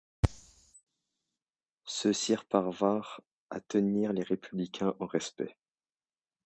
Ceux-ci parvinrent à tenir les Républicains en respect.